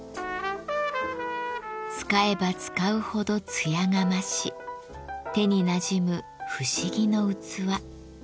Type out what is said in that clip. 使えば使うほど艶が増し手になじむ不思議の器。